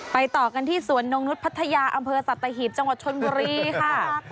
ต่อกันที่สวนนงนุษย์พัทยาอำเภอสัตหีบจังหวัดชนบุรีค่ะ